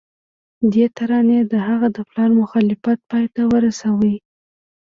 دې ترانې د هغه د پلار مخالفت پای ته ورساوه